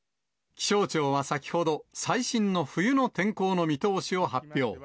気象庁は先ほど、最新の冬の天候の見通しを発表。